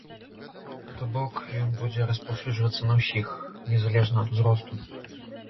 То бок, ён будзе распаўсюджвацца на ўсіх, незалежна ад узросту.